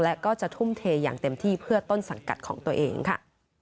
และก็จะทุ่มเทอย่างเต็มที่เพื่อต้นสังกัดของตัวเองค่ะ